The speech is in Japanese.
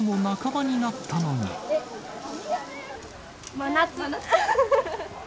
真夏。